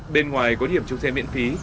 bên ngoài có điểm chung xe miễn phí